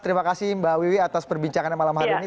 terima kasih mbak wiwi atas perbincangannya malam hari ini